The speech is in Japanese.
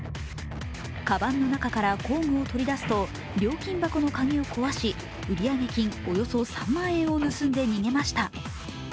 かばんの中から工具を取り出すと料金箱の鍵を壊し売上金およそ３万円を盗んで逃げました。